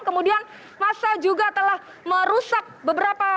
kemudian masa juga telah merusak beberapa